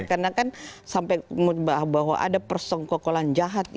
karena kan sampai bahwa ada persengkokolan jahat